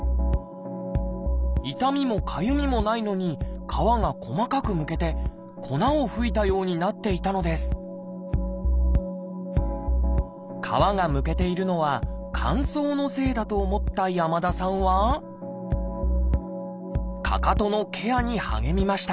痛みもかゆみもないのに皮が細かくむけて粉を吹いたようになっていたのです皮がむけているのは乾燥のせいだと思った山田さんはかかとのケアに励みました